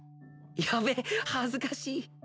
やべっ恥ずかしっ！